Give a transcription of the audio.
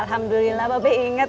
alhamdulillah bapak inget